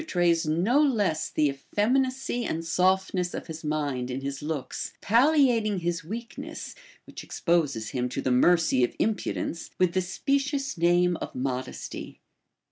f) 1 trays no less the eiFeminacy and softness of his mind in his looks, palHating his weakness, which exposes him to the mercy of impudence, with the specious name of mod esty.